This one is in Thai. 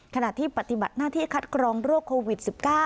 ขณะที่ปฏิบัติหน้าที่คัดกรองโรคโควิด๑๙